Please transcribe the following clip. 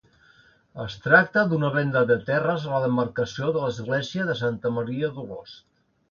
Es tracta d’una venda de terres a la demarcació de l’església de Santa Maria d’Olost.